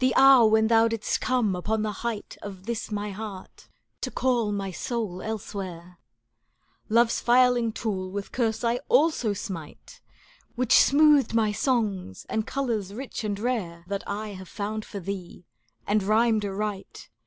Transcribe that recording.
hour when thou didst come upon the height Of this my heart to call my soul elsewhere; " Love's filing tool with curse I also smite. Which smoothed my songs, and colours rich and rare. That I have found for thee, and rhymed aright.